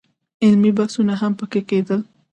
علمي بحثونه هم په کې کېدل.